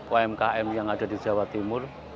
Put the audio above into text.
umkm yang ada di jawa timur